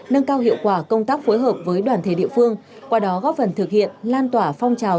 nâng cao hiệu quả công tác phối hợp với đoàn thể địa phương qua đó góp phần thực hiện lan tỏa phong trào